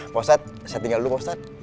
pak ustadz saya tinggal dulu pak ustadz